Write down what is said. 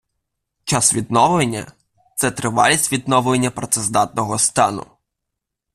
Час відновлення - це тривалість відновлення працездатного стану.